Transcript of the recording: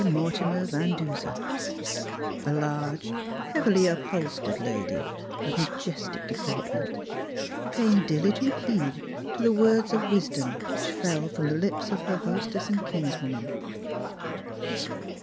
Mortimer 12 Miss Phihtra Van Deuser — a large, heavily upholstered lady of majestic deportment, paying diligent heed to the words of wisdom which fell from the lips of her hostess and kinswoman.